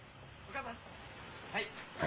はい。